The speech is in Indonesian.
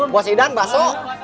mas idan masuk